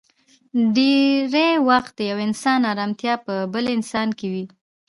ډېری وخت د يو انسان ارمتيا په بل انسان کې وي.